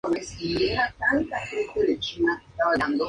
Las computadoras son dispositivos finitos.